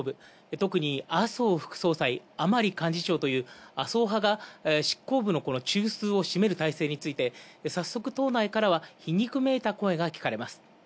特に麻生副総理、甘利幹事長という麻生派が執行部の中枢を占める体制について、早速党内からは皮肉めいた声が聞かれます。